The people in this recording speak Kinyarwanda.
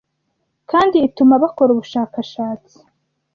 Kandi ituma bakora ubushakashatsi